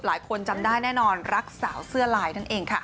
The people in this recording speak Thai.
จำได้แน่นอนรักสาวเสื้อลายนั่นเองค่ะ